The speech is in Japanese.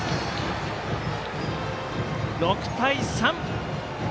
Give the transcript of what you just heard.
６対３。